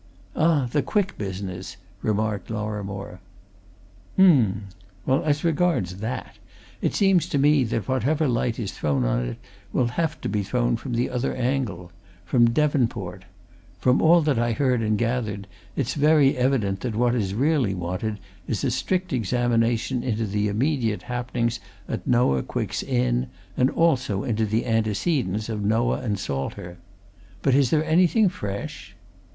"Ah, the Quick business?" remarked Lorrimore. "Um! well, as regards that, it seems to me that whatever light is thrown on it will have to be thrown from the other angle from Devonport. From all that I heard and gathered, it's very evident that what is really wanted is a strict examination into the immediate happenings at Noah Quick's inn, and also into the antecedents of Noah and Salter. But is there anything fresh?"